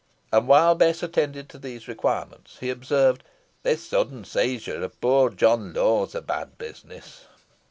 And while Bess attended to these requirements, he observed, "This sudden seizure of poor John Law is a bad business."